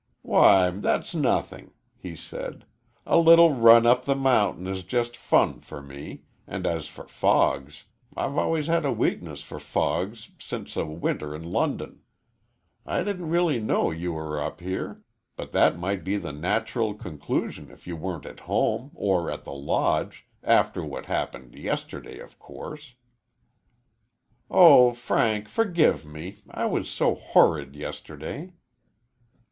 "Why, that's nothing," he said; "a little run up the mountain is just fun for me, and as for fogs, I've always had a weakness for fogs since a winter in London. I didn't really know you were up here, but that might be the natural conclusion if you weren't at home, or at the Lodge after what happened yesterday, of course." "Oh, Frank, forgive me I was so horrid yesterday."